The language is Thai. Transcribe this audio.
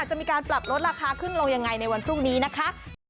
จะมีการปรับลดราคาขึ้นลงยังไงในวันพรุ่งนี้นะคะ